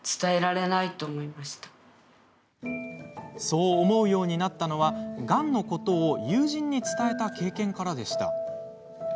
そう思うようになったのはがんのことを友人に伝えた経験からでした。